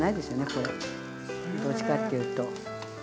これどっちかっていうと。